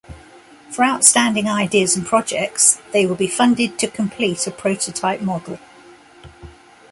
For outstanding Ideas and Projects, they will be funded to complete a prototype model.